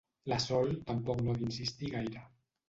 La Sol tampoc no ha d'insistir gaire.